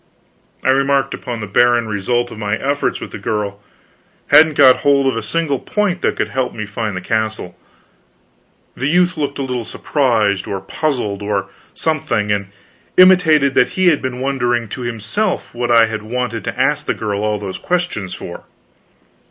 I remarked upon the barren result of my efforts with the girl; hadn't got hold of a single point that could help me to find the castle. The youth looked a little surprised, or puzzled, or something, and intimated that he had been wondering to himself what I had wanted to ask the girl all those questions for.